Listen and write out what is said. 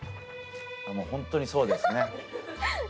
本当にそうですね。